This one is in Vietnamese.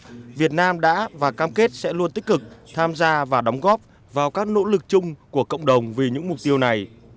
vì vậy việt nam đã và cam kết sẽ luôn tích cực tham gia và đóng góp vào các nỗ lực chung của cộng đồng vì những mục tiêu này